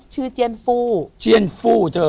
ชื่อเจียนฟูเจียนฟูเจอ